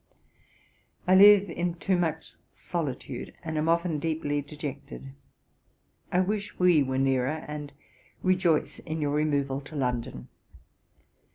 I live in too much solitude, and am often deeply dejected: I wish we were nearer, and rejoice in your removal to London.